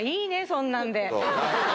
そんなんで。